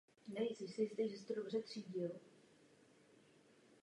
Romantismus v Evropě nastolil téma lidové tvorby.